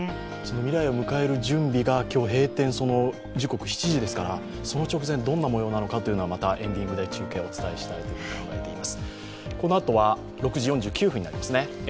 未来を迎える準備が今日、閉店時刻７時ですからその直前、どんなもようなのかまたエンディングで中継をお伝えしたいと考えています。